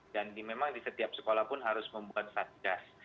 dan memang di setiap sekolah pun harus membuat satgas